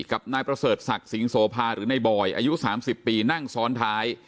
กับนายประเสริฐศักดิ์สิงโสภาหรือในบอยอายุ๓๐ปีนั่งซ้อนท้าย